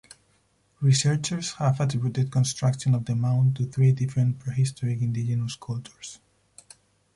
Researchers have attributed construction of the mound to three different prehistoric indigenous cultures.